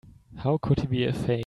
How could he be a fake?